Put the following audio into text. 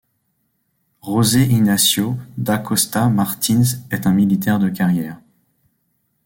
José Inácio da Costa Martins est un militaire de carrière.